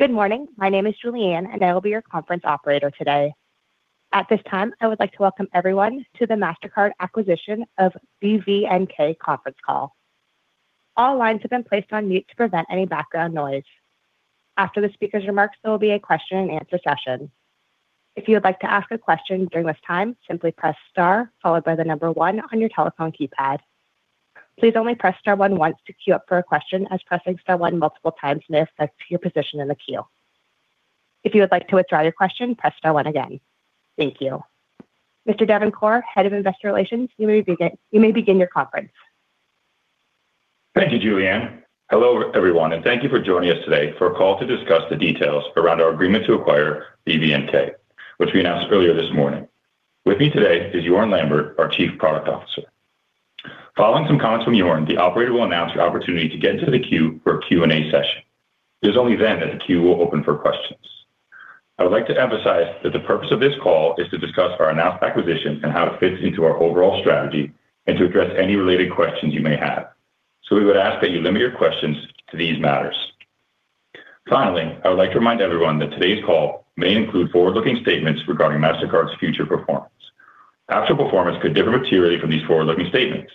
Good morning. My name is Julianne, and I will be your conference operator today. At this time, I would like to welcome everyone to the Mastercard acquisition of BVNK conference call. All lines have been placed on mute to prevent any background noise. After the speaker's remarks, there will be a question-and-answer session. If you would like to ask a question during this time, simply press star followed by the number one on your telephone keypad. Please only press star one once to queue up for a question, as pressing star one multiple times may affect your position in the queue. If you would like to withdraw your question, press star one again. Thank you. Mr Devin Corr, Head of Investor Relations, you may begin your conference. Thank you, Julianne. Hello, everyone, and thank you for joining us today for a call to discuss the details around our agreement to acquire BVNK, which we announced earlier this morning. With me today is Jorn Lambert, our Chief Product Officer. Following some comments from Jorn, the operator will announce the opportunity to get into the queue for a Q&A session. It is only then that the queue will open for questions. I would like to emphasise that the purpose of this call is to discuss our announced acquisition and how it fits into our overall strategy and to address any related questions you may have. We would ask that you limit your questions to these matters. Finally, I would like to remind everyone that today's call may include forward-looking statements regarding Mastercard's future performance. Actual performance could differ materially from these forward-looking statements.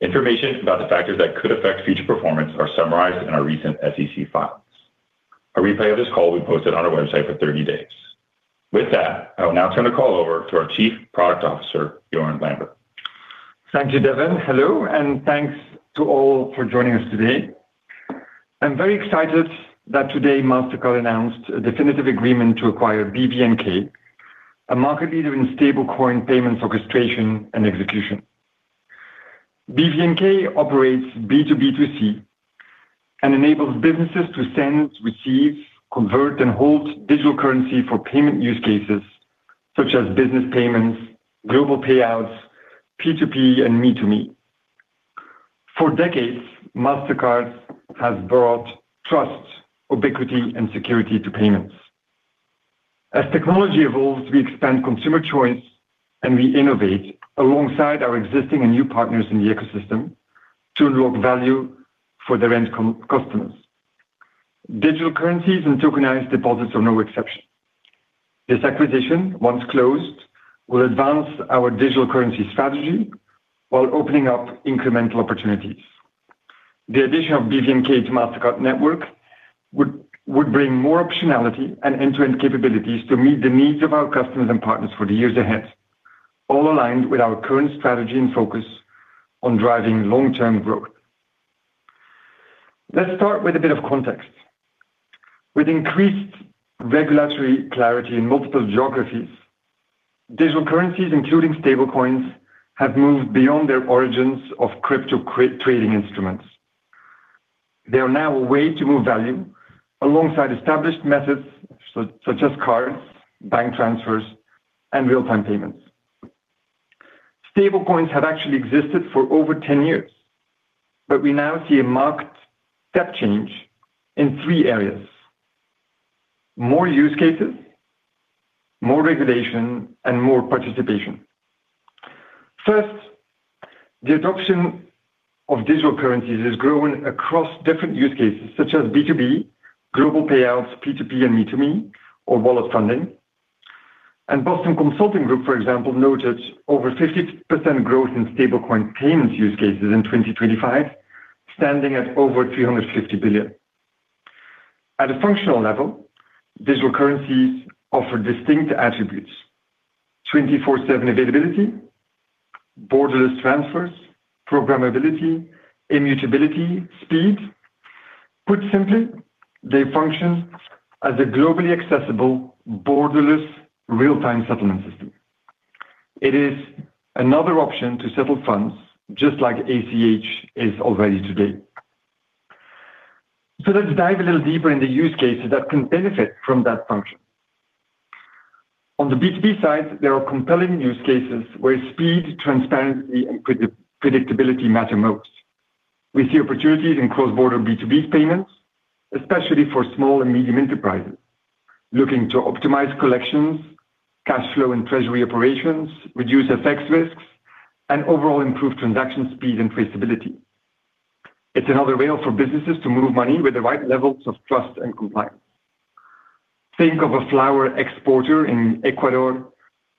Information about the factors that could affect future performance are summarized in our recent SEC filings. A replay of this call will be posted on our website for 30 days. With that, I will now turn the call over to our Chief Product Officer, Jorn Lambert. Thank you, Devin. Hello, and thanks to all for joining us today. I'm very excited that today Mastercard announced a definitive agreement to acquire BVNK, a market leader in stablecoin payments, orchestration, and execution. BVNK operates B2B2C and enables businesses to send, receive, convert, and hold digital currency for payment use cases such as business payments, global payouts, P2P, and Me2Me. For decades, Mastercard has brought trust, ubiquity, and security to payments. As technology evolves, we expand consumer choice, and we innovate alongside our existing and new partners in the ecosystem to unlock value for their end customers. Digital currencies and tokenized deposits are no exception. This acquisition, once closed, will advance our digital currency strategy while opening up incremental opportunities. The addition of BVNK to Mastercard network would bring more optionality and end-to-end capabilities to meet the needs of our customers and partners for the years ahead, all aligned with our current strategy and focus on driving long-term growth. Let's start with a bit of context. With increased regulatory clarity in multiple geographies, digital currencies, including stablecoins, have moved beyond their origins of crypto trading instruments. They are now a way to move value alongside established methods such as cards, bank transfers, and real-time payments. Stablecoins have actually existed for over 10 years, but we now see a marked step change in three areas: more use cases, more regulation, and more participation. First, the adoption of digital currencies has grown across different use cases such as B2B, global payouts, P2P, and Me2Me, or wallet funding. Boston Consulting Group, for example, noted over 50% growth in stablecoin payments use cases in 2025, standing at over $350 billion. At a functional level, digital currencies offer distinct attributes. 24/7 availability, borderless transfers, programmability, immutability, speed. Put simply, they function as a globally accessible, borderless, real-time settlement system. It is another option to settle funds just like ACH is already today. Let's dive a little deeper in the use cases that can benefit from that function. On the B2B side, there are compelling use cases where speed, transparency, and predictability matter most. We see opportunities in cross-border B2B payments, especially for small and medium enterprises looking to optimize collections, cash flow, and treasury operations, reduce FX risks, and overall improve transaction speed and traceability. It's another way for businesses to move money with the right levels of trust and compliance. Think of a flower exporter in Ecuador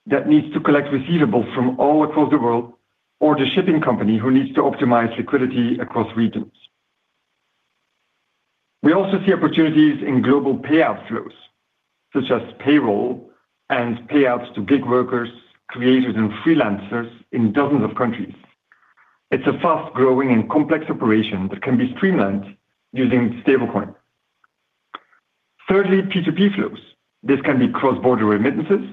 that needs to collect receivables from all across the world or the shipping company who needs to optimize liquidity across regions. We also see opportunities in global payout flows, such as payroll and payouts to gig workers, creators, and freelancers in dozens of countries. It's a fast-growing and complex operation that can be streamlined using stablecoin. Thirdly, P2P flows. This can be cross-border remittances,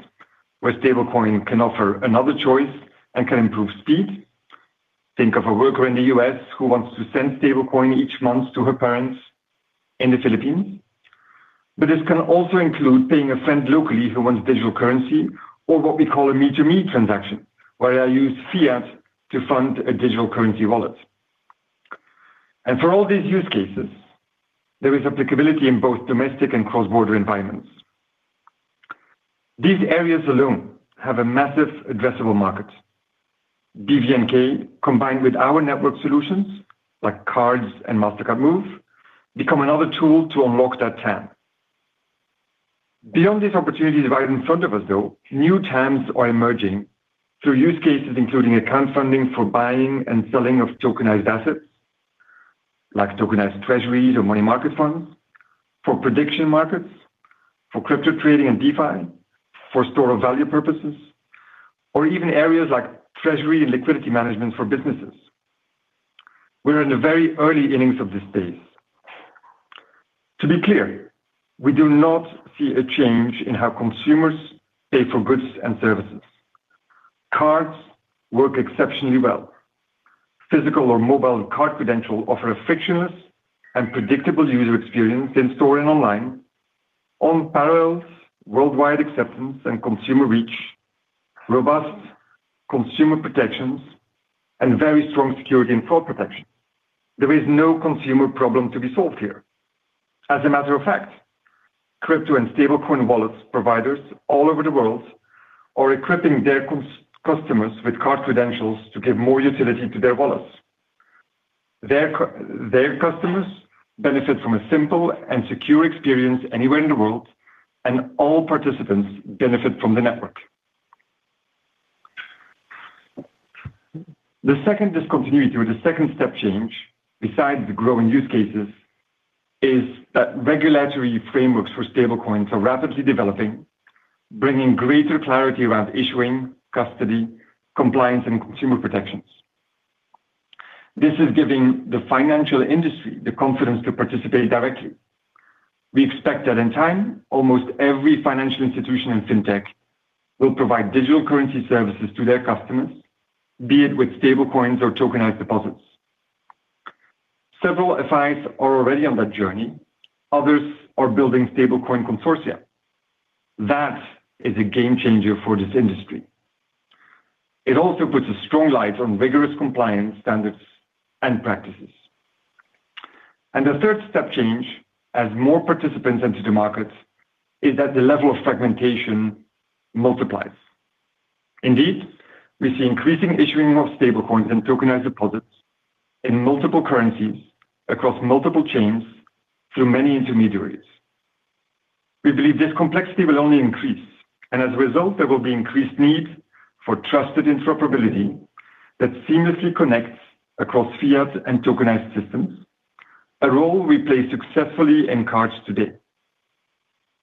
where stablecoin can offer another choice and can improve speed. Think of a worker in the U.S. who wants to send stablecoin each month to her parents in the Philippines. This can also include paying a friend locally who wants digital currency or what we call a Me2Me transaction, where I use fiat to fund a digital currency wallet. For all these use cases, there is applicability in both domestic and cross-border environments. These areas alone have a massive addressable market. BVNK, combined with our network solutions like cards and Mastercard Move, become another tool to unlock that TAM. Beyond these opportunities right in front of us, though, new TAMs are emerging through use cases including account funding for buying and selling of tokenized assets, like tokenized treasuries or money market funds, for prediction markets, for crypto trading and DeFi, for store of value purposes, or even areas like treasury and liquidity management for businesses. We are in the very early innings of this space. To be clear, we do not see a change in how consumers pay for goods and services. Cards work exceptionally well. Physical or mobile card credentials offer a frictionless and predictable user experience in-store and online, unparalleled worldwide acceptance and consumer reach, robust consumer protections, and very strong security and fraud protection. There is no consumer problem to be solved here. As a matter of fact, crypto and stablecoin wallet providers all over the world are equipping their customers with card credentials to give more utility to their wallets. Their customers benefit from a simple and secure experience anywhere in the world, and all participants benefit from the network. The second discontinuity or the second step change besides the growing use cases is that regulatory frameworks for stablecoins are rapidly developing, bringing greater clarity around issuing, custody, compliance, and consumer protections. This is giving the financial industry the confidence to participate directly. We expect that in time, almost every financial institution in fintech will provide digital currency services to their customers, be it with stablecoins or tokenized deposits. Several FIs are already on that journey. Others are building stablecoin consortia. That is a game-changer for this industry. It also puts a strong light on rigorous compliance standards and practices. The third step change as more participants enter the market is that the level of fragmentation multiplies. Indeed, we see increasing issuing of stablecoins and tokenized deposits in multiple currencies across multiple chains through many intermediaries. We believe this complexity will only increase, and as a result, there will be increased need for trusted interoperability that seamlessly connects across fiat and tokenized systems, a role we play successfully in cards today.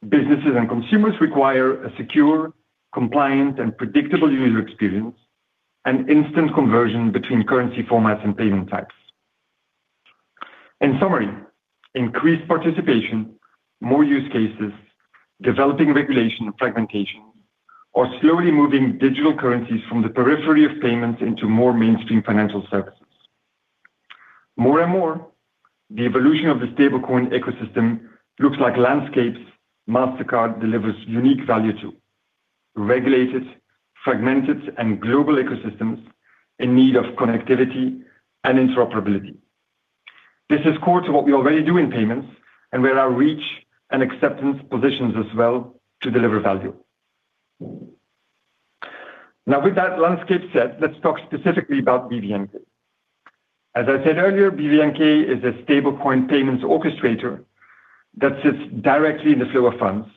Businesses and consumers require a secure, compliant, and predictable user experience and instant conversion between currency formats and payment types. In summary, increased participation, more use cases, developing regulation, and fragmentation are slowly moving digital currencies from the periphery of payments into more mainstream financial services. More and more, the evolution of the stablecoin ecosystem looks like landscapes Mastercard delivers unique value to, regulated, fragmented, and global ecosystems in need of connectivity and interoperability. This is core to what we already do in payments, and where our reach and acceptance positions us well to deliver value. Now, with that landscape set, let's talk specifically about BVNK. As I said earlier, BVNK is a stablecoin payments orchestrator that sits directly in the flow of funds,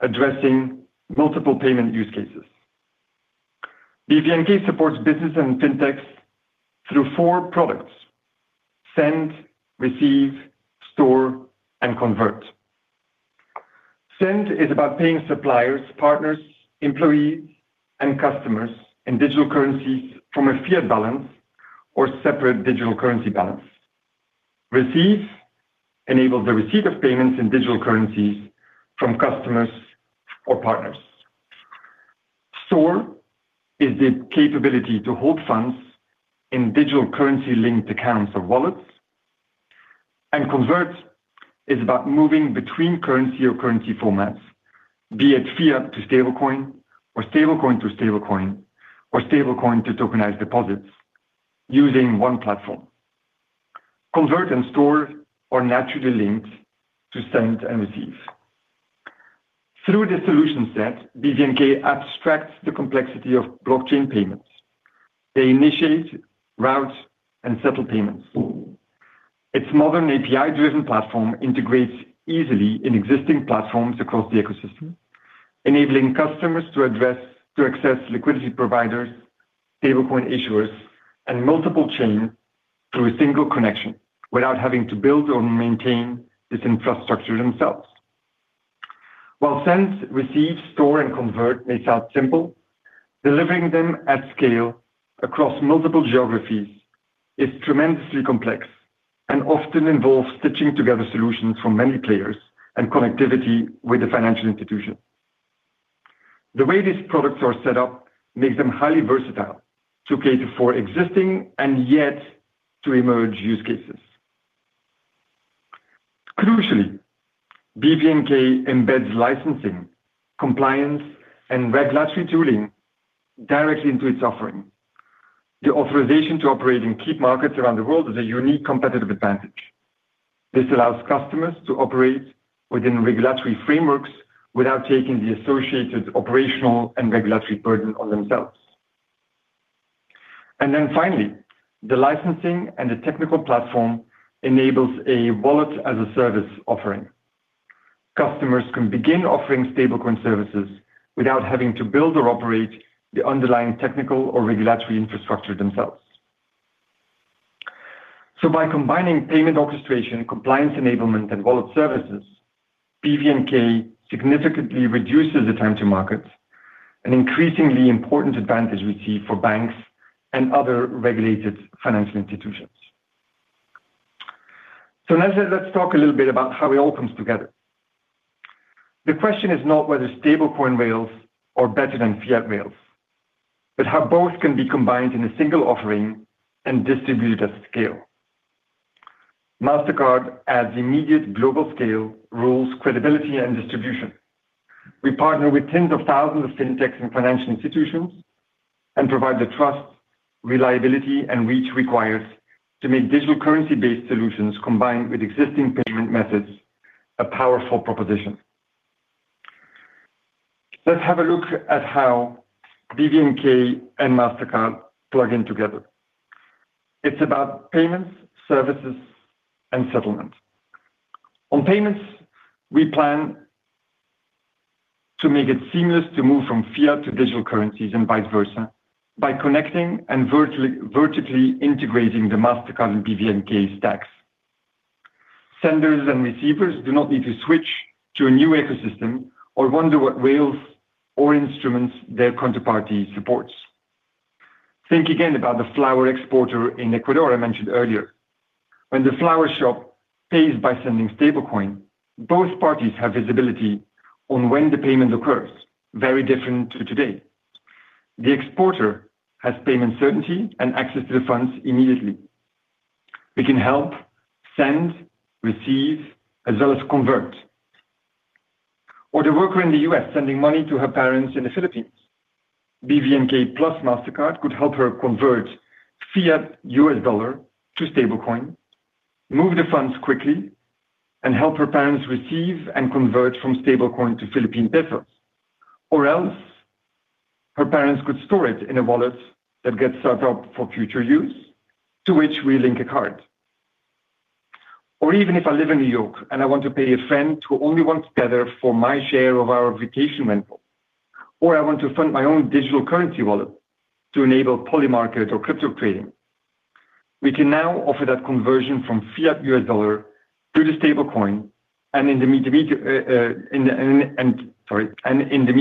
addressing multiple payment use cases. BVNK supports businesses and fintechs through four products: Send, Receive, Store, and Convert. Send is about paying suppliers, partners, employees, and customers in digital currencies from a fiat balance or separate digital currency balance. Receive enables the receipt of payments in digital currencies from customers or partners. Store is the capability to hold funds in digital currency-linked accounts or wallets. Convert is about moving between currency or currency formats, be it fiat to stablecoin or stablecoin to stablecoin, or stablecoin to tokenized deposits using one platform. Convert and Store are naturally linked to Send and Receive. Through this solution set, BVNK abstracts the complexity of blockchain payments. They initiate, route, and settle payments. Its modern API-driven platform integrates easily in existing platforms across the ecosystem, enabling customers to access liquidity providers, stablecoin issuers, and multiple chains through a single connection without having to build or maintain this infrastructure themselves. While Send, Receive, Store, and Convert may sound simple, delivering them at scale across multiple geographies is tremendously complex and often involves stitching together solutions from many players and connectivity with the financial institution. The way these products are set up makes them highly versatile to cater for existing and yet to emerge use cases. Crucially, BVNK embeds licensing, compliance, and regulatory tooling directly into its offering. The authorization to operate in key markets around the world is a unique competitive advantage. This allows customers to operate within regulatory frameworks without taking the associated operational and regulatory burden on themselves. Then finally, the licensing and the technical platform enables a wallet-as-a-service offering. Customers can begin offering stablecoin services without having to build or operate the underlying technical or regulatory infrastructure themselves. By combining payment orchestration, compliance enablement, and wallet services, BVNK significantly reduces the time to market, an increasingly important advantage we see for banks and other regulated financial institutions. Let's talk a little bit about how it all comes together. The question is not whether stablecoin rails are better than fiat rails, but how both can be combined in a single offering and distributed at scale. Mastercard adds immediate global scale, rules, credibility, and distribution. We partner with tens of thousands of fintechs and financial institutions and provide the trust, reliability, and reach required to make digital currency-based solutions combined with existing payment methods a powerful proposition. Let's have a look at how BVNK and Mastercard plug in together. It's about payments, services, and settlement. On payments, we plan to make it seamless to move from fiat to digital currencies and vice versa by connecting and vertically integrating the Mastercard and BVNK stacks. Senders and receivers do not need to switch to a new ecosystem or wonder what rails or instruments their counterparty supports. Think again about the flower exporter in Ecuador I mentioned earlier. When the flower shop pays by sending stablecoin, both parties have visibility on when the payment occurs, very different to today. The exporter has payment certainty and access to the funds immediately. We can help send, receive, as well as convert. The worker in the U.S. sending money to her parents in the Philippines. BVNK plus Mastercard could help her convert fiat U.S. dollar to stablecoin, move the funds quickly, and help her parents receive and convert from stablecoin to Philippine pesos. Else, her parents could store it in a wallet that gets set up for future use, to which we link a card. Even if I live in New York and I want to pay a friend who only wants Tether for my share of our vacation rental, or I want to fund my own digital currency wallet to enable Polymarket or crypto trading. We can now offer that conversion from fiat U.S. dollar to the stablecoin and in the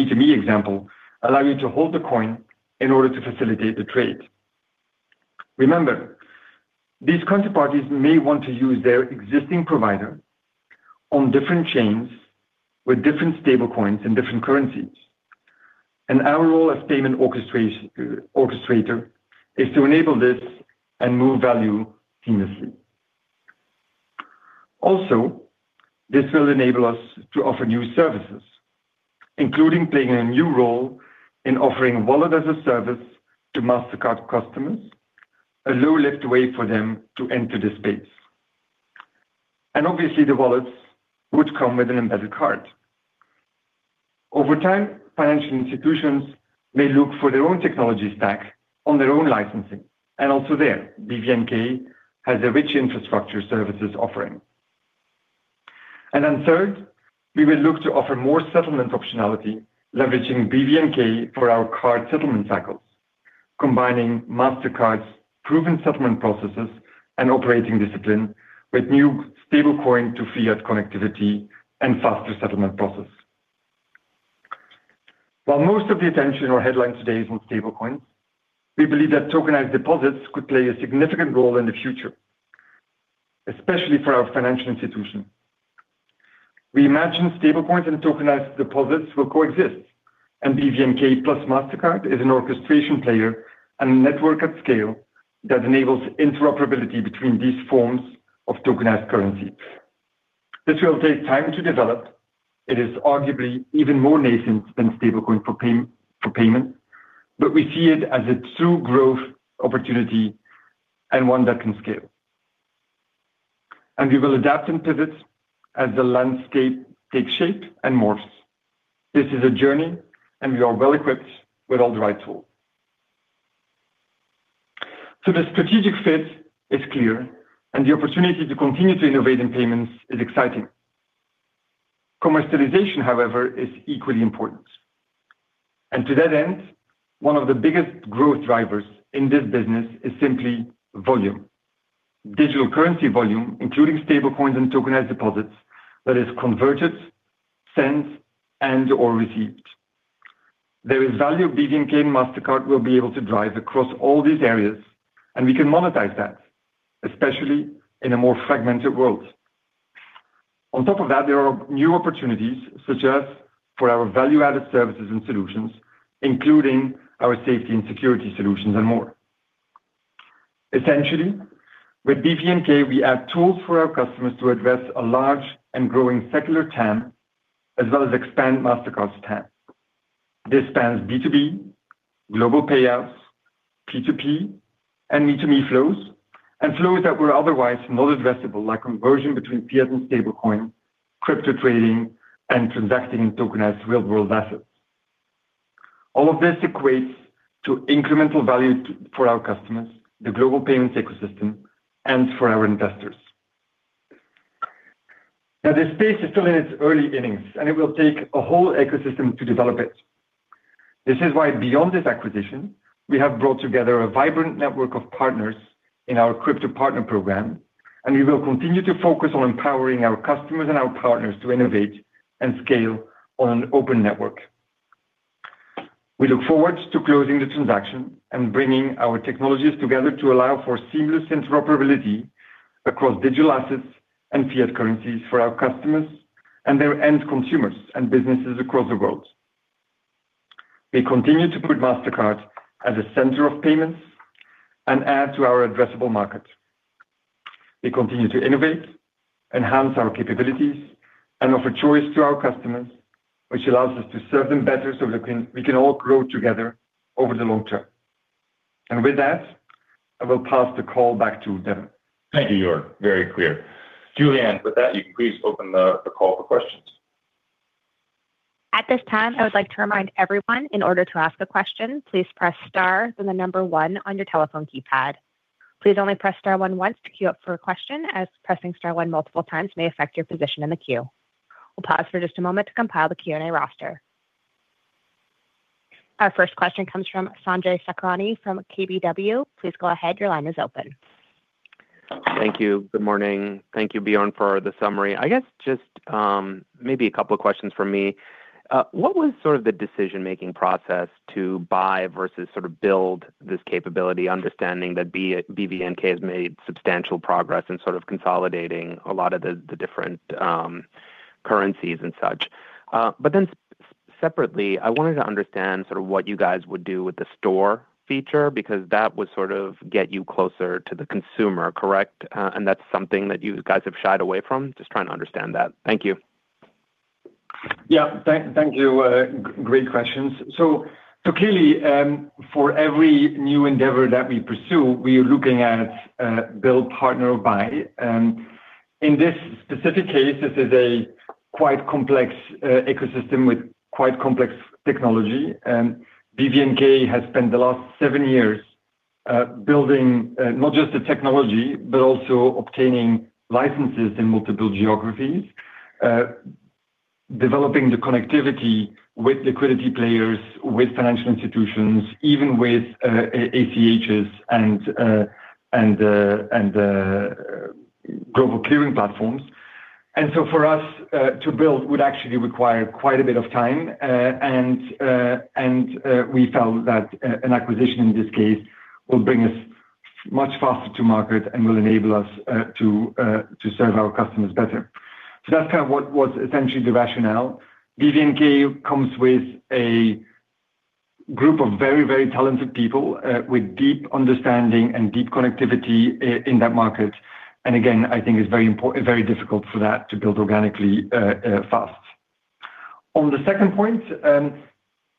Me2Me example, allow you to hold the coin in order to facilitate the trade. Remember, these counterparties may want to use their existing provider on different chains with different stablecoins and different currencies. Our role as payment orchestrator is to enable this and move value seamlessly. This will enable us to offer new services, including playing a new role in offering wallet-as-a-service to Mastercard customers, a low-lift way for them to enter this space. Obviously, the wallets would come with an embedded card. Over time, financial institutions may look for their own technology stacks on their own licensing. Also there, BVNK has a rich infrastructure services offering. Third, we will look to offer more settlement optionality, leveraging BVNK for our card settlement cycles, combining Mastercard's proven settlement processes and operating discipline with new stablecoin to fiat connectivity and faster settlement process. While most of the attention or headlines today is on stablecoins, we believe that tokenized deposits could play a significant role in the future, especially for our financial institutions. We imagine stablecoins and tokenized deposits will coexist, and BVNK plus Mastercard is an orchestration player and network at scale that enables interoperability between these forms of tokenized currency. This will take time to develop. It is arguably even more nascent than stablecoin for pay-for payment, but we see it as a true growth opportunity and one that can scale. We will adapt and pivot as the landscape takes shape and morphs. This is a journey, and we are well-equipped with all the right tools. The strategic fit is clear, and the opportunity to continue to innovate in payments is exciting. Commercialization, however, is equally important. To that end, one of the biggest growth drivers in this business is simply volume. Digital currency volume, including stablecoins and tokenised deposits, that is converted, sent, and/or received. There is value BVNK and Mastercard will be able to drive across all these areas, and we can monetize that, especially in a more fragmented world. On top of that, there are new opportunities, such as for our value-added services and solutions, including our safety and security solutions and more. Essentially, with BVNK, we add tools for our customers to address a large and growing secular TAM, as well as expand Mastercard's TAM. This spans B2B, global payouts, P2P, and Me2Me flows, and flows that were otherwise not addressable, like conversion between fiat and stablecoin, crypto trading, and transacting in tokenized real-world assets. All of this equates to incremental value for our customers, the global payments ecosystem, and for our investors. Now, this space is still in its early innings, and it will take a whole ecosystem to develop it. This is why beyond this acquisition, we have brought together a vibrant network of partners in our crypto partner program, and we will continue to focus on empowering our customers and our partners to innovate and scale on an open network. We look forward to closing the transaction and bringing our technologies together to allow for seamless interoperability across digital assets and fiat currencies for our customers and their end consumers and businesses across the world. We continue to put Mastercard at the center of payments and add to our addressable market. We continue to innovate, enhance our capabilities, and offer choice to our customers, which allows us to serve them better so that we can all grow together over the long term. With that, I will pass the call back to Devin. Thank you, Jorn. Very clear. Julian, with that, you can please open the call for questions. At this time, I would like to remind everyone, in order to ask a question, please press star, then the number one on your telephone keypad. Please only press star one once to queue up for a question, as pressing star one multiple times may affect your position in the queue. We'll pause for just a moment to compile the Q&A roster. Our first question comes from Sanjay Sakhrani from KBW. Please go ahead, your line is open. Thank you. Good morning. Thank you, Jorn, for the summary. I guess just maybe a couple of questions from me. What was sort of the decision-making process to buy versus sort of build this capability, understanding that BVNK has made substantial progress in sort of consolidating a lot of the different currencies and such? Separately, I wanted to understand sort of what you guys would do with the store feature, because that would sort of get you closer to the consumer, correct? That's something that you guys have shied away from. Just trying to understand that. Thank you. Thank you. Great questions. Clearly, for every new endeavor that we pursue, we are looking at build, partner or buy. In this specific case, this is a quite complex ecosystem with quite complex technology. BVNK has spent the last seven years building not just the technology, but also obtaining licenses in multiple geographies, developing the connectivity with liquidity players, with financial institutions, even with ACHs and global clearing platforms. For us, to build would actually require quite a bit of time. We felt that an acquisition in this case will bring us much faster to market and will enable us to serve our customers better. That's kind of what was essentially the rationale. BVNK comes with a group of very, very talented people, with deep understanding and deep connectivity in that market. Again, I think it's very difficult for that to build organically, fast. On the second point,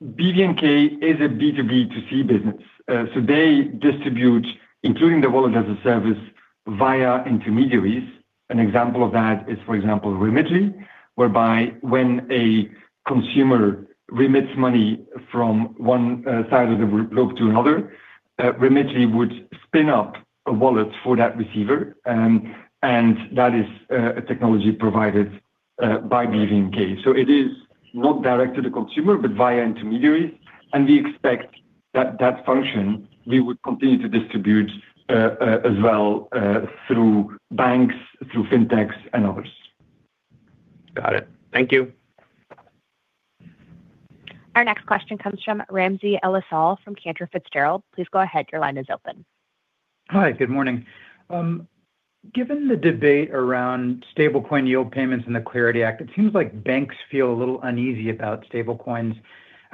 BVNK is a B2B2C business. They distribute, including the wallet as a service, via intermediaries. An example of that is, for example, Remitly, whereby when a consumer remits money from one side of the globe to another, Remitly would spin up a wallet for that receiver, and that is a technology provided by BVNK. It is not direct to the consumer, but via intermediaries. We expect that function, we would continue to distribute as well through banks, through fintechs and others. Got it. Thank you. Our next question comes from Ramsey El-Assal from Cantor Fitzgerald. Please go ahead, your line is open. Hi, good morning. Given the debate around stablecoin yield payments and the CLARITY Act, it seems like banks feel a little uneasy about stablecoins.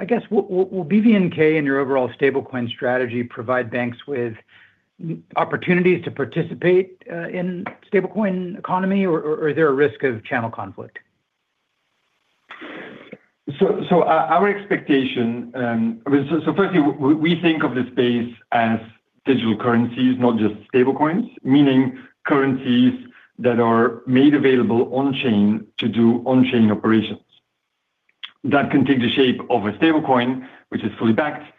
I guess will BVNK and your overall stablecoin strategy provide banks with opportunities to participate in stablecoin economy or is there a risk of channel conflict? Our expectation. Firstly, we think of the space as digital currencies, not just stablecoins, meaning currencies that are made available on-chain to do on-chain operations. That can take the shape of a stablecoin, which is fully backed.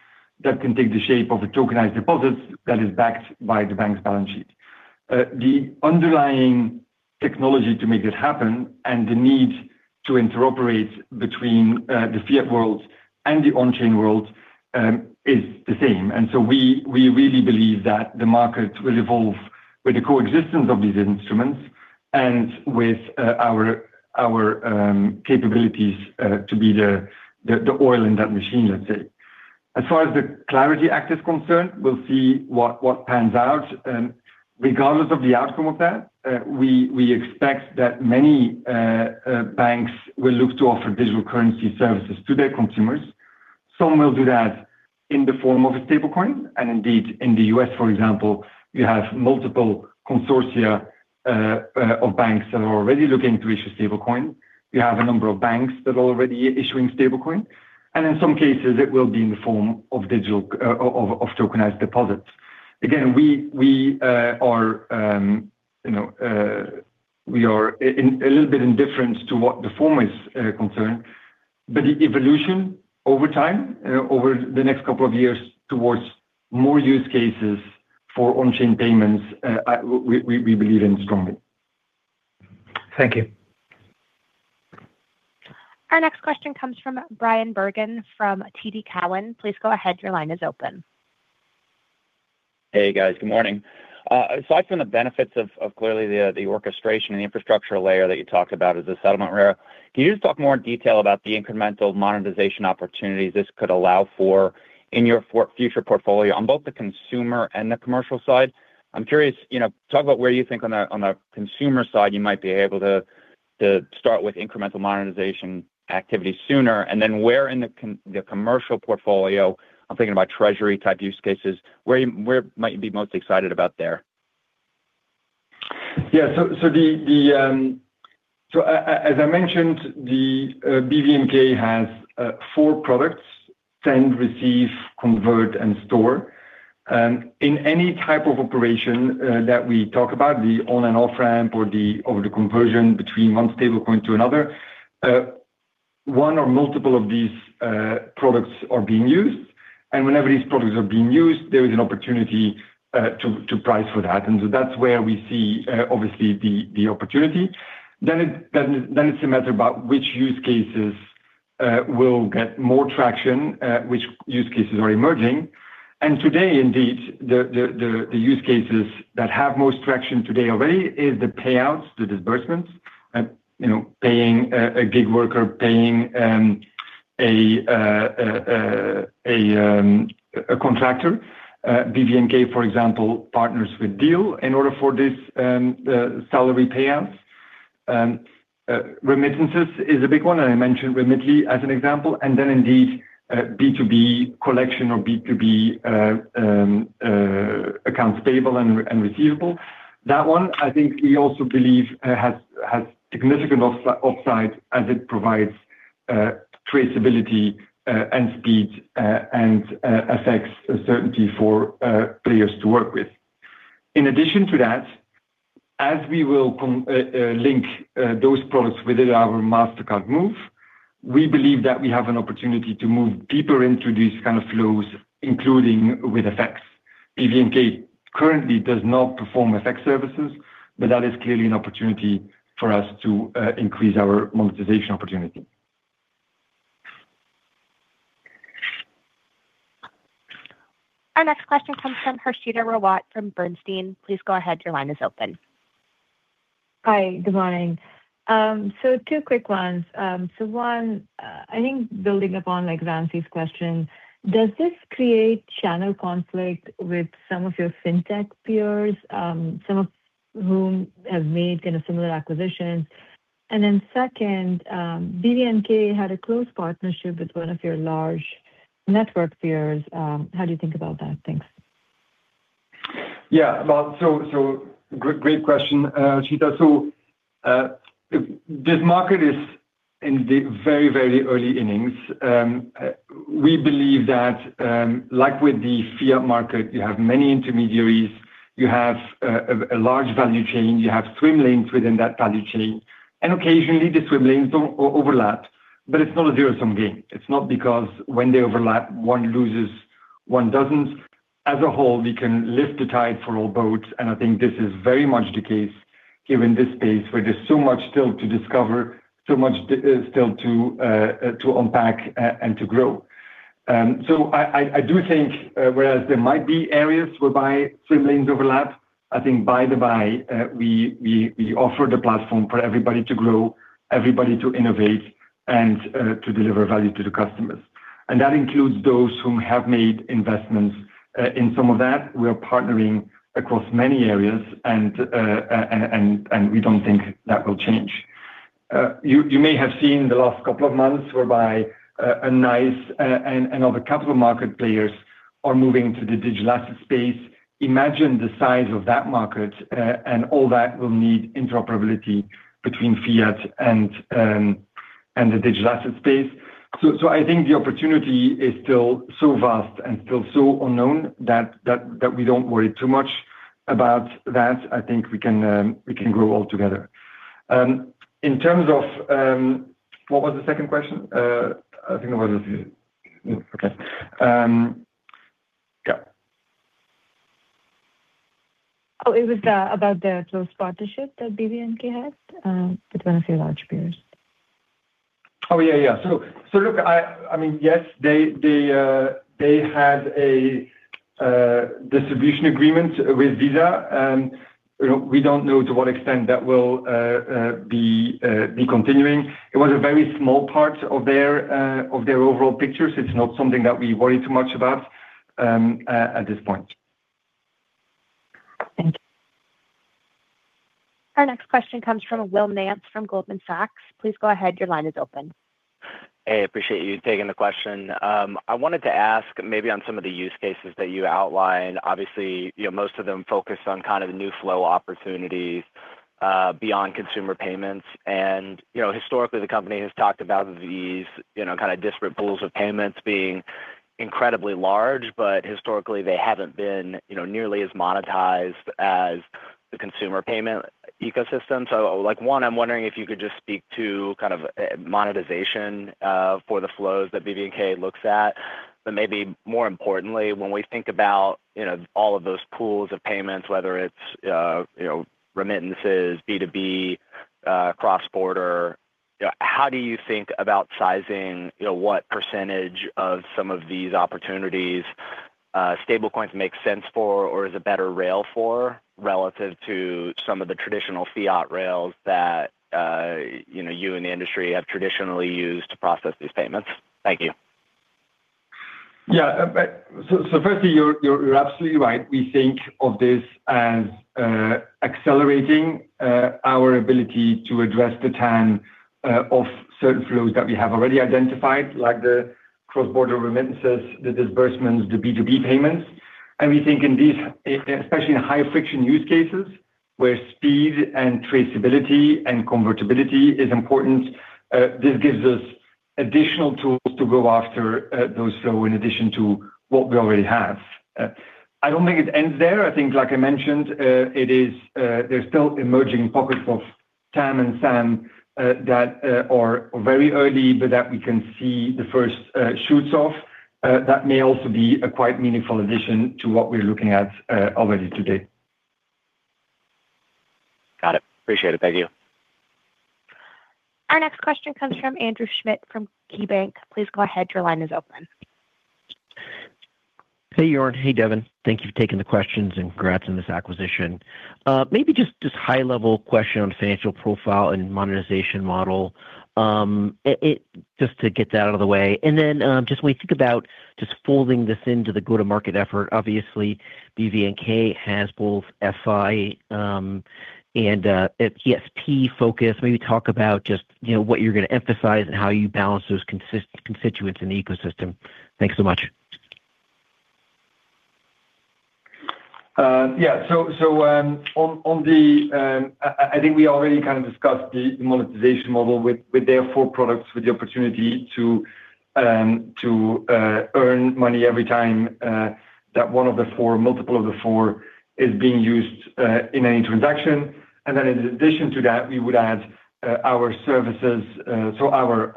That can take the shape of a tokenized deposit that is backed by the bank's balance sheet. The underlying technology to make that happen and the need to interoperate between the fiat world and the on-chain world is the same. We really believe that the market will evolve with the coexistence of these instruments and with our capabilities to be the oil in that machine, let's say. As far as the CLARITY Act is concerned, we'll see what pans out. Regardless of the outcome of that, we expect that many banks will look to offer digital currency services to their consumers. Some will do that in the form of a stablecoin. Indeed, in the U.S., for example, you have multiple consortia of banks that are already looking to issue stablecoin. You have a number of banks that are already issuing stablecoin, and in some cases, it will be in the form of tokenized deposits. Again, we are a little bit indifferent to what the form is concerned. The evolution over time, over the next couple of years, towards more use cases for on-chain payments, we believe in strongly. Thank you. Our next question comes from Bryan Bergin from TD Cowen. Please go ahead. Your line is open. Hey, guys. Good morning. Aside from the benefits of clearly the orchestration and the infrastructure layer that you talked about as a settlement rail, can you just talk more in detail about the incremental monetization opportunities this could allow for in your future portfolio on both the consumer and the commercial side? I'm curious, talk about where you think on the consumer side you might be able to start with incremental monetization activity sooner, and then where in the commercial portfolio, I'm thinking about treasury type use cases, where might you be most excited about there? As I mentioned, BVNK has four products: Send, Receive, Convert, and Store. In any type of operation that we talk about, the on and off ramp or the conversion between one stablecoin to another, one or multiple of these products are being used. Whenever these products are being used, there is an opportunity to price for that. That's where we see the opportunity. It's a matter about which use cases will get more traction, which use cases are emerging. Today indeed, the use cases that have most traction today already is the payouts, the disbursements, paying a gig worker, paying a contractor. BVNK, for example, partners with Deel in order for this, salary payouts. Remittances is a big one, and I mentioned Remitly as an example. Indeed, B2B collection or B2B, accounts payable and receivable. That one, I think we also believe, has significant upside as it provides, traceability, and speed, and affects certainty for, players to work with. In addition to that, as we will link those products within our Mastercard Move, we believe that we have an opportunity to move deeper into these kind of flows, including with FX. BVNK currently does not perform FX services, but that is clearly an opportunity for us to increase our monetization opportunity. Our next question comes from Harshita Rawat from Bernstein. Please go ahead. Your line is open. Hi. Good morning. Two quick ones. One, I think building upon, like, Ramsey's question, does this create channel conflict with some of your fintech peers, some of whom have made kind of similar acquisitions? Second, BVNK had a close partnership with one of your large network peers. How do you think about that? Thanks. Yeah. Well, great question, Harshita. This market is in the very early innings. We believe that, like with the fiat market, you have many intermediaries. You have a large value chain, you have swim lanes within that value chain, and occasionally the swim lanes overlap, but it's not a zero-sum game. It's not because when they overlap, one loses, one doesn't. As a whole, we can lift the tide for all boats, and I think this is very much the case here in this space where there's so much still to discover, so much still to unpack and to grow. I do think, whereas there might be areas whereby swim lanes overlap, I think by the by, we offer the platform for everybody to grow, everybody to innovate and to deliver value to the customers. That includes those who have made investments in some of that. We are partnering across many areas and we don't think that will change. You may have seen the last couple of months, whereby NYSE and other capital market players are moving to the digital asset space. Imagine the size of that market and all that will need interoperability between fiat and the digital asset space. I think the opportunity is still so vast and still so unknown that we don't worry too much about that. I think we can grow all together. In terms of what was the second question? I think it was. Okay. Yeah. It was about the close partnership that BVNK has with one of your large peers. Oh, yeah. Look, I mean, yes, they had a distribution agreement with Visa, and we don't know to what extent that will be continuing. It was a very small part of their overall picture, so it's not something that we worry too much about at this point. Thank you. Our next question comes from Will Nance from Goldman Sachs. Please go ahead. Your line is open. Hey, appreciate you taking the question. I wanted to ask maybe on some of the use cases that you outlined. Obviously, most of them focus on kind of new flow opportunities beyond consumer payments. Historically, the company has talked about these kind of disparate pools of payments being incredibly large, but historically, they haven't been nearly as monetized as the consumer payment ecosystem. Like, one, I'm wondering if you could just speak to kind of monetization for the flows that BVNK looks at. Maybe more importantly, when we think about all of those pools of payments, whether it's remittances, B2B, cross-border, how do you think about sizing, what percentage of some of these opportunities, stablecoin make sense for or is a better rail for relative to some of the traditional fiat rails that you and the industry have traditionally used to process these payments? Thank you. Yeah. Firstly, you're absolutely right. We think of this as accelerating our ability to address the TAM of certain flows that we have already identified, like the cross-border remittances, the disbursements, the B2B payments. We think in these, especially in higher friction use cases where speed and traceability and convertibility is important, this gives us additional tools to go after those flows in addition to what we already have. I don't think it ends there. I think, like I mentioned, there's still emerging pockets of TAM and SAM that are very early but that we can see the first shoots of that may also be a quite meaningful addition to what we're looking at already today. Got it. Appreciate it. Thank you. Our next question comes from Andrew Schmidt from KeyBanc. Please go ahead. Your line is open. Hey, Jorn. Hey, Devin. Thank you for taking the questions and congrats on this acquisition. Maybe just high level question on financial profile and monetization model. It just to get that out of the way. Just when you think about just folding this into the go-to-market effort, obviously BVNK has both FI and PSP focus. Maybe talk about just what you're going to emphasize and how you balance those constituents in the ecosystem. Thanks so much. Yeah. I think we already kind of discussed the monetization model with their four products, with the opportunity to earn money every time that one of the four, multiple of the four is being used in any transaction. In addition to that, we would add our services, so our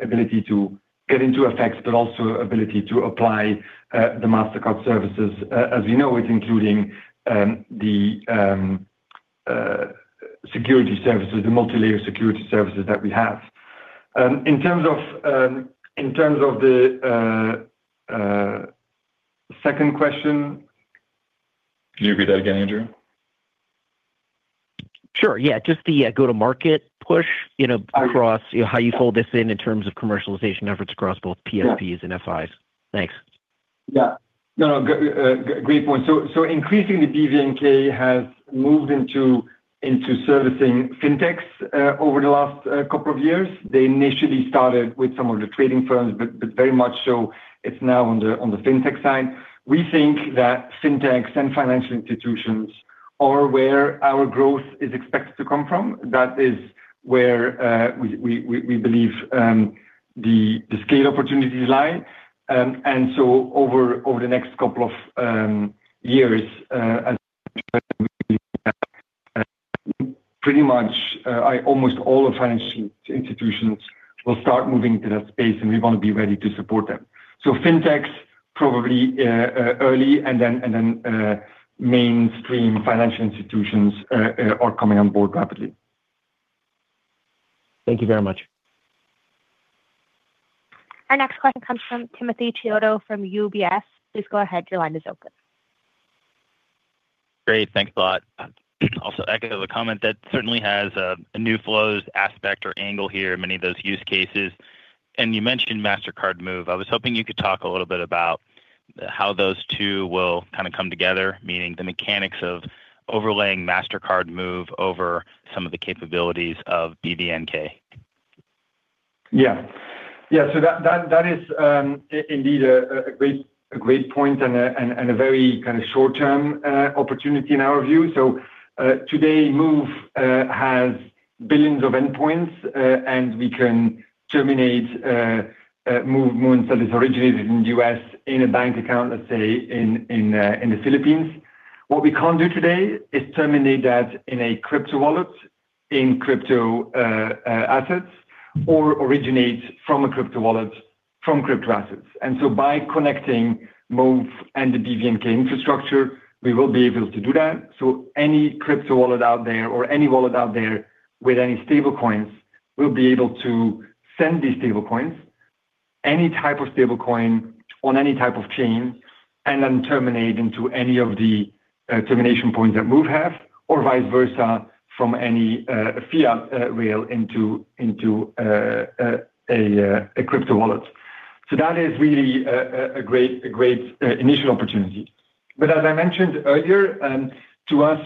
ability to get into FX, but also ability to apply the Mastercard Services. As you know, it's including the security services, the multilayer security services that we have. In terms of the second question. Can you repeat that again, Andrew? Sure, yeah. Just the go to market push across, how you fold this in terms of commercialization efforts across both PSPs and FIs. Thanks. Great point. Increasingly BVNK has moved into servicing fintechs over the last couple of years. They initially started with some of the trading firms, but very much so it's now on the fintech side. We think that fintechs and financial institutions are where our growth is expected to come from. That is where we believe the scale opportunities lie. Over the next couple of years, as pretty much almost all the financial institutions will start moving into that space, and we want to be ready to support them. Fintechs probably early and then mainstream financial institutions are coming on board rapidly. Thank you very much. Our next question comes from Timothy Chiodo from UBS. Please go ahead. Your line is open. Great. Thanks a lot. Also echo the comment that certainly has a new flows aspect or angle here, many of those use cases. You mentioned Mastercard Move. I was hoping you could talk a little bit about how those two will kind of come together, meaning the mechanics of overlaying Mastercard Move over some of the capabilities of BVNK. Yeah. That is indeed a great point and a very kind of short-term opportunity in our view. Today, Move has billions of endpoints, and we can terminate Move moves that is originated in the U.S. in a bank account, let's say in the Philippines. What we can't do today is terminate that in a crypto wallet, in crypto assets or originate from a crypto wallet from crypto assets. By connecting Move and the BVNK infrastructure, we will be able to do that. Any crypto wallet out there or any wallet out there with any stablecoin will be able to send these stablecoin, any type of stablecoin on any type of chain, and then terminate into any of the termination point that Move have or vice versa from any fiat rail into a crypto wallet. That is really a great initial opportunity. As I mentioned earlier, to us,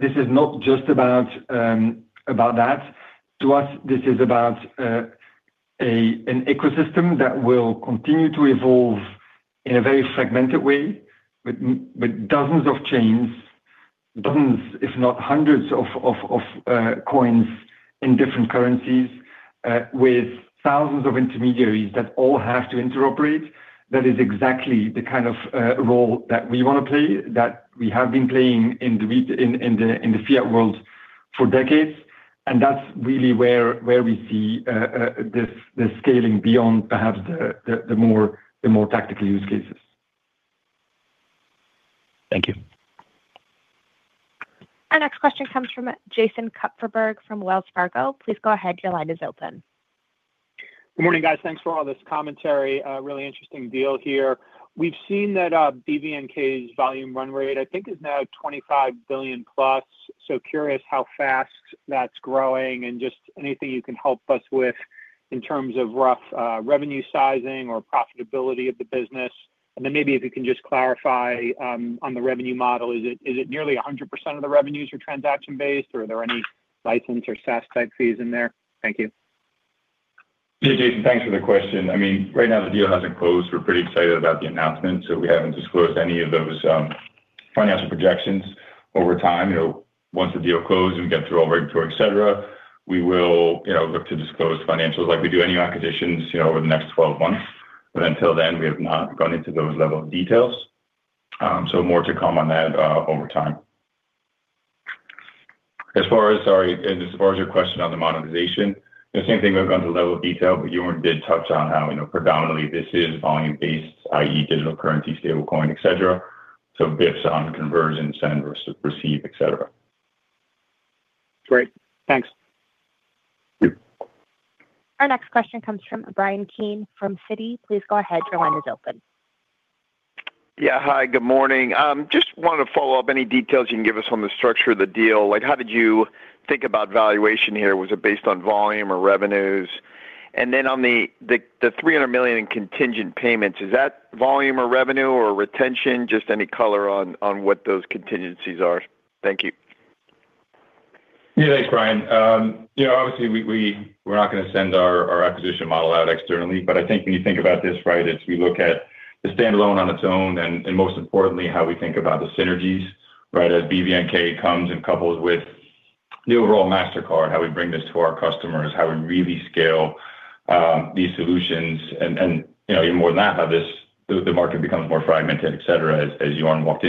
this is not just about that. To us, this is about an ecosystem that will continue to evolve in a very fragmented way with dozens of chains, dozens, if not hundreds of coins in different currencies, with thousands of intermediaries that all have to interoperate. That is exactly the kind of role that we wanna play, that we have been playing in the fiat world for decades. That's really where we see this, the scaling beyond perhaps the more tactical use cases. Thank you. Our next question comes from Jason Kupferberg from Wells Fargo. Please go ahead. Your line is open. Good morning, guys. Thanks for all this commentary. Really interesting deal here. We've seen that, BVNK's volume run rate, I think, is now $25 billion+. Curious how fast that's growing, and just anything you can help us with in terms of rough revenue sizing or profitability of the business. Then maybe if you can just clarify, on the revenue model, is it nearly 100% of the revenues are transaction-based, or are there any license or SaaS-type fees in there? Thank you. Yeah, Jason, thanks for the question. I mean, right now the deal hasn't closed. We're pretty excited about the announcement, so we haven't disclosed any of those financial projections over time. Once the deal closed and we get through all regulatory et cetera, we will look to disclose financials like we do any acquisitions over the next 12 months. Until then, we have not gone into those levels of detail. So more to come on that, over time. As far as, sorry, and as far as your question on the monetization, the same thing, we've gone to level of detail, but Jorn did touch on how predominantly this is volume-based, i.e., digital currency, stablecoin, et cetera. So based on conversion, send versus receive, et cetera. Great. Thanks. Thank you. Our next question comes from Bryan Keane from Citi. Please go ahead. Your line is open. Yeah. Hi, good morning. Just wanted to follow up any details you can give us on the structure of the deal. Like, how did you think about valuation here? Was it based on volume or revenues? On the $300 million in contingent payments, is that volume, revenue or retention? Just any color on what those contingencies are. Thank you. Yeah, thanks, Brian. Obviously, we're not gonna send our acquisition model out externally. I think when you think about this, right, it's we look at the standalone on its own and most importantly, how we think about the synergies, right? As BVNK comes and couples with the overall Mastercard, how we bring this to our customers, how we really scale these solutions and even more than that, how this, the market becomes more fragmented, et cetera, as Jorn walked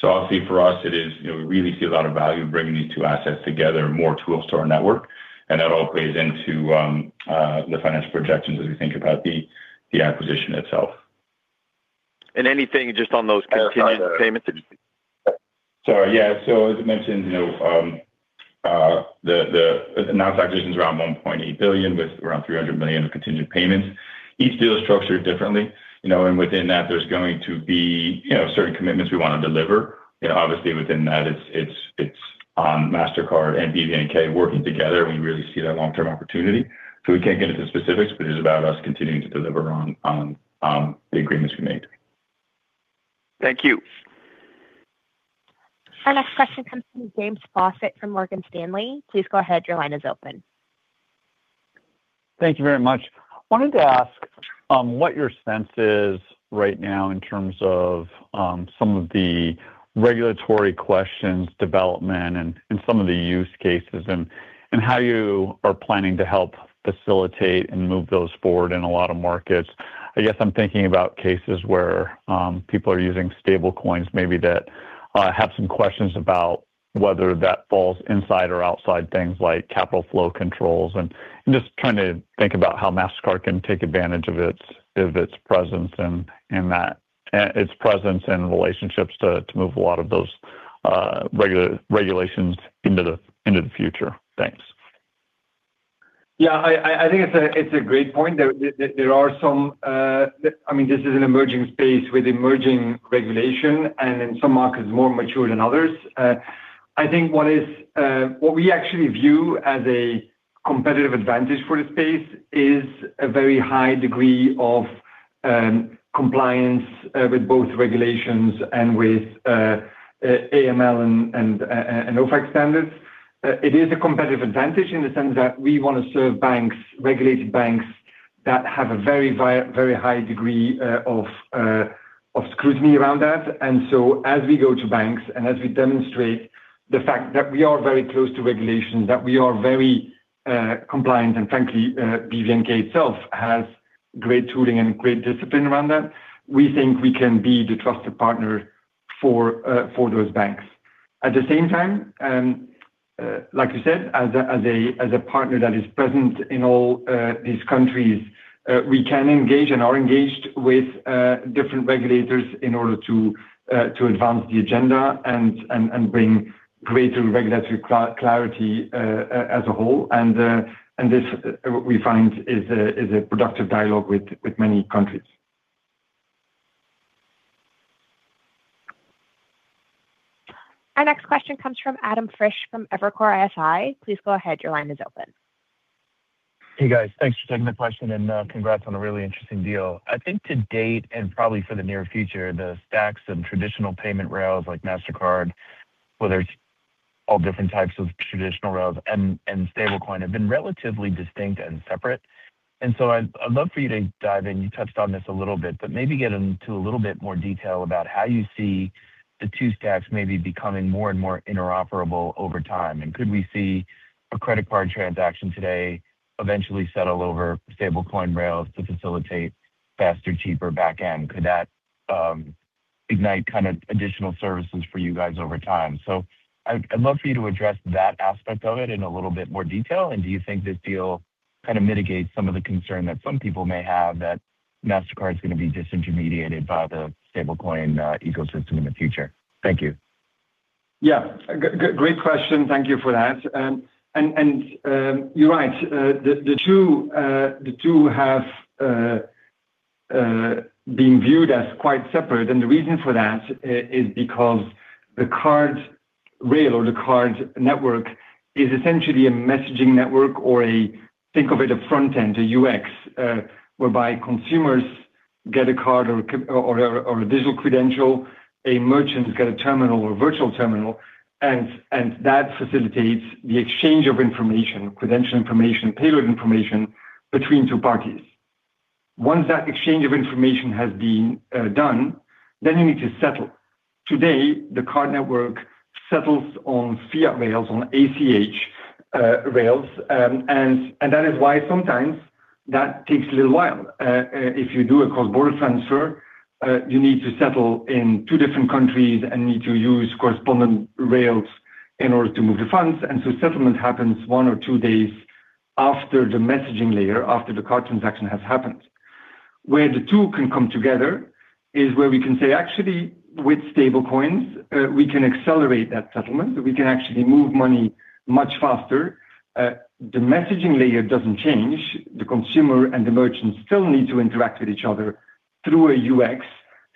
through. Obviously, for us, we really see a lot of value bringing these two assets together, more tools to our network, and that all plays into the financial projections as we think about the acquisition itself. Anything just on those contingent payments? Sorry, yeah. As I mentioned, the announced acquisition is around $1.8 billion, with around $300 million of contingent payments. Each deal is structured differently, and within that, there's going to be certain commitments we wanna deliver. Obviously, within that, it's Mastercard and BVNK working together, and we really see that long-term opportunity. We can't get into specifics, but it's about us continuing to deliver on the agreements we made. Thank you. Our next question comes from James Faucette from Morgan Stanley. Please go ahead. Your line is open. Thank you very much. Wanted to ask what your sense is right now in terms of some of the regulatory questions, development and some of the use cases and how you are planning to help facilitate and move those forward in a lot of markets. I guess I'm thinking about cases where people are using stablecoins maybe that have some questions about whether that falls inside or outside things like capital flow controls. Just trying to think about how Mastercard can take advantage of its presence in that, its presence and relationships to move a lot of those regulations into the future. Thanks. Yeah. I think it's a great point. I mean, this is an emerging space with emerging regulation and in some markets more mature than others. I think what we actually view as a competitive advantage for the space is a very high degree of compliance with both regulations and with AML and OFAC standards. It is a competitive advantage in the sense that we wanna serve banks, regulated banks that have a very high degree of scrutiny around that. As we go to banks and as we demonstrate the fact that we are very close to regulation, that we are very compliant, and frankly BVNK itself has great tooling and great discipline around that, we think we can be the trusted partner for those banks. At the same time, like you said, as a partner that is present in all these countries, we can engage and are engaged with different regulators in order to to advance the agenda and bring greater regulatory clarity as a whole. This we find is a productive dialogue with many countries. Our next question comes from Adam Frisch from Evercore ISI. Please go ahead. Your line is open. Hey, guys. Thanks for taking the question, and congrats on a really interesting deal. I think to date, and probably for the near future, the stacks and traditional payment rails like Mastercard, whether it's all different types of traditional rails and stablecoin, have been relatively distinct and separate. I'd love for you to dive in. You touched on this a little bit, but maybe get into a little bit more detail about how you see the two stacks maybe becoming more and more interoperable over time. Could we see a credit card transaction today eventually settle over stablecoin rails to facilitate faster, cheaper back-end? Could that ignite kinda additional services for you guys over time? I'd love for you to address that aspect of it in a little bit more detail. Do you think this deal kinda mitigates some of the concern that some people may have that Mastercard is gonna be disintermediated by the stablecoin ecosystem in the future? Thank you. Yeah. Great question. Thank you for that. You're right. The two have been viewed as quite separate, and the reason for that is because the card rail or the card network is essentially a messaging network or a front end, a UX, whereby consumers get a card or a digital credential, a merchant has got a terminal or virtual terminal, and that facilitates the exchange of information, credential information, payload information between two parties. Once that exchange of information has been done, then you need to settle. Today, the card network settles on fiat rails, on ACH rails, and that is why sometimes that takes a little while. If you do a cross-border transfer, you need to settle in two different countries and need to use correspondent rails in order to move the funds. Settlement happens one or two days after the messaging layer, after the card transaction has happened. Where the two can come together is where we can say, actually, with stablecoins, we can accelerate that settlement. We can actually move money much faster. The messaging layer doesn't change. The consumer and the merchant still need to interact with each other through a UX,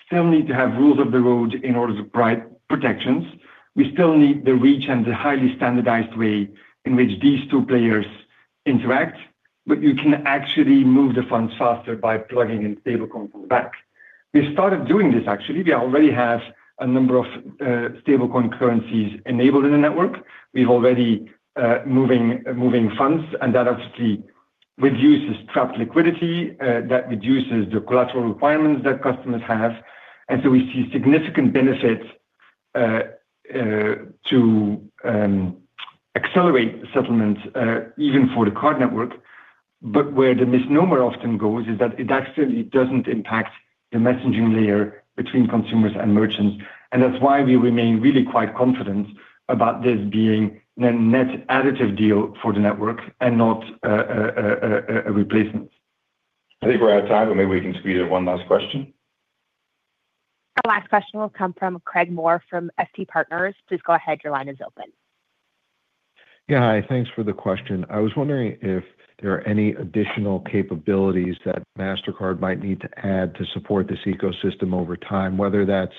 still need to have rules of the road in order to provide protections. We still need the reach and the highly standardized way in which these two players interact. But you can actually move the funds faster by plugging in stablecoin from the back. We started doing this, actually. We already have a number of stablecoin currencies enabled in the network. We've already moving funds, and that obviously reduces trapped liquidity, that reduces the collateral requirements that customers have. We see significant benefits to accelerate settlements even for the card network. Where the misnomer often goes is that it actually doesn't impact the messaging layer between consumers and merchants, and that's why we remain really quite confident about this being a net additive deal for the network and not a replacement. I think we're out of time, but maybe we can squeeze in one last question. Our last question will come from Craig Maurer from FT Partners. Please go ahead. Your line is open. Yeah, hi. Thanks for the question. I was wondering if there are any additional capabilities that Mastercard might need to add to support this ecosystem over time, whether that's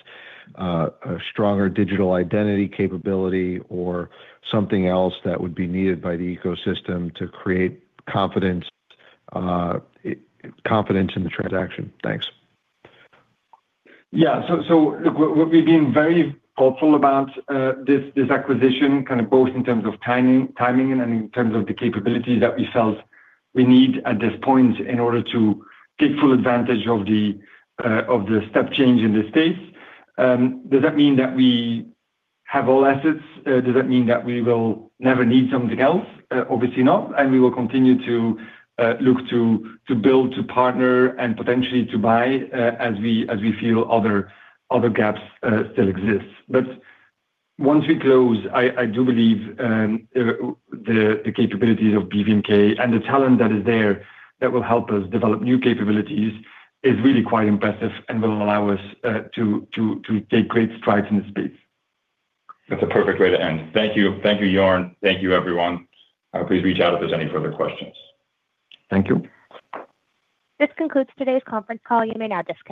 a stronger digital identity capability or something else that would be needed by the ecosystem to create confidence in the transaction. Thanks. Yeah. Look, what we've been very thoughtful about, this acquisition, kind of both in terms of timing and in terms of the capabilities that we felt we need at this point in order to take full advantage of the step change in this space. Does that mean that we have all assets? Does that mean that we will never need something else? Obviously not. We will continue to look to build, to partner, and potentially to buy, as we feel other gaps still exist. Once we close, I do believe the capabilities of BVNK and the talent that is there, that will help us develop new capabilities is really quite impressive and will allow us to take great strides in this space. That's a perfect way to end. Thank you. Thank you, Jorn. Thank you, everyone. Please reach out if there's any further questions. Thank you. This concludes today's conference call. You may now disconnect.